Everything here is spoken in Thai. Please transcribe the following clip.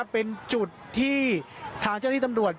เป็นจุดที่ทางเจ้าหน้าที่ตำรวจ